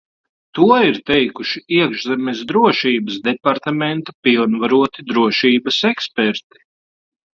To ir teikuši Iekšzemes drošības departamenta pilnvaroti drošības eksperti.